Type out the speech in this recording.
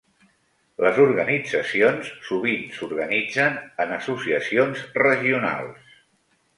Les organitzacions sovint s'organitzen en associacions regionals.